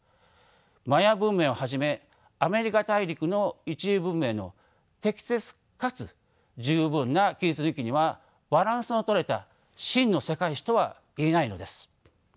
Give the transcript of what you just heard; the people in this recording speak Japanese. マヤ文明をはじめアメリカ大陸の一次文明の適切かつ十分な記述抜きにはバランスの取れた真の世界史とはいえないのです。